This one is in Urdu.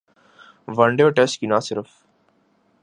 ون ڈے اور ٹیسٹ کی نہ صرف